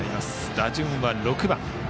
打順は６番。